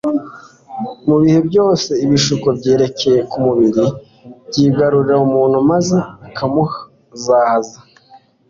Mu bihe byose ibishuko byerekeye ku mubiri byigarunye umuntu maze biramuzahaza.